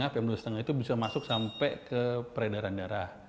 pm dua lima itu bisa masuk sampai ke peredaran darah